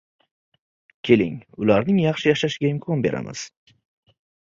«Keling, ularning yaxshi yashashiga imkon beramiz»